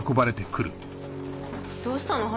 どうしたの？